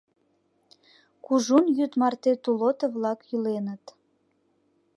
Кужун йӱд марте тулото-влак йӱленыт.